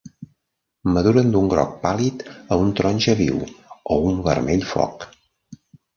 Maduren d'un groc pàl·lid a un taronja viu o un vermell foc.